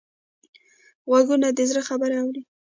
غوږونه د زړه خبرې اوري